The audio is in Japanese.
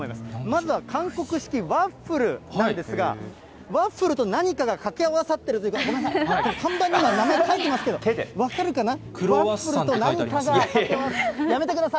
まずは韓国式ワッフルなんですが、ワッフルと何かがかけ合わさってるというか、看板には名前書いてますけど、分かるかな？